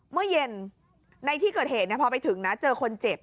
เมื่อเย็นในที่เกิดเหตุพอไปถึงนะเจอคนเจ็บ